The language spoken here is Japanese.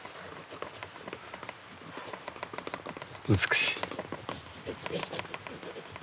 美しい。